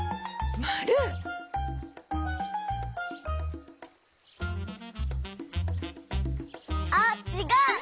まる！あっちがう！